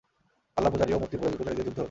আল্লাহ্ পূজারী ও মূর্তি পূজারীদের যুদ্ধ।